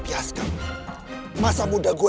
pihaskan masa muda gue